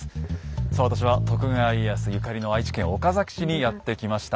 さあ私は徳川家康ゆかりの愛知県岡崎市にやって来ました。